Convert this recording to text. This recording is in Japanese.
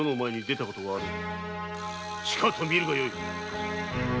しかと見るがよい。